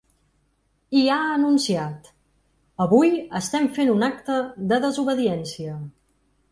I ha anunciat: Avui estem fent un acte de desobediència.